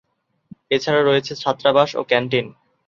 এছাড়া রয়েছে ছাত্রাবাস ও ক্যান্টিন।